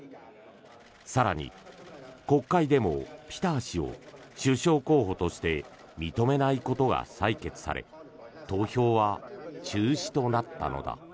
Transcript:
更に国会でもピター氏を首相候補として認めないことが採決され投票は中止となったのだ。